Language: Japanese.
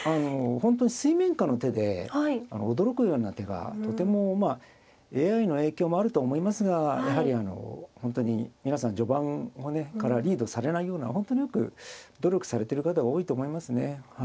本当に水面下の手で驚くような手がとてもまあＡＩの影響もあると思いますがやはり本当に皆さん序盤からリードされないような本当によく努力されてる方が多いと思いますね。